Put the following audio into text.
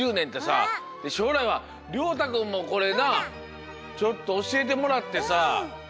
でしょうらいはりょうたくんもこれなちょっとおしえてもらってさ。